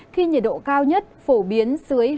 khi nhiệt độ cao nhất phổ biến